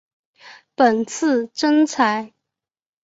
本次征才